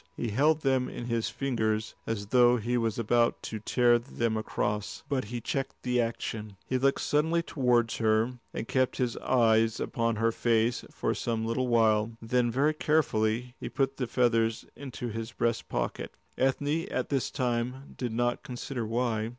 He held them in his fingers as though he was about to tear them across. But he checked the action. He looked suddenly towards her, and kept his eyes upon her face for some little while. Then very carefully he put the feathers into his breast pocket. Ethne at this time did not consider why.